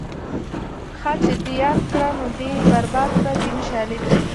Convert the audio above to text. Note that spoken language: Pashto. ښه چې دې یاد کړه نو دې برباد کړه دیني شالید لري